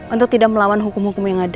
untuk tidak melawan hukum hukum yang ada